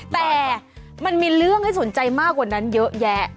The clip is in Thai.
แต่มันมีเรื่องให้สนใจมากกว่านั้นเยอะแยะ